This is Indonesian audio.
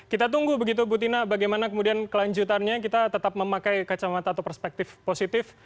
kita tunggu begitu bu tina bagaimana kemudian kelanjutannya kita tetap memakai kacamata atau perspektif positif